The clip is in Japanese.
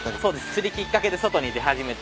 釣りきっかけで外に出始めて。